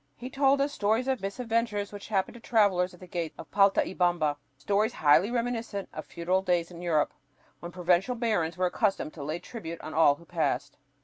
He told us stories of misadventures which had happened to travelers at the gates of Paltaybamba, stories highly reminiscent of feudal days in Europe, when provincial barons were accustomed to lay tribute on all who passed.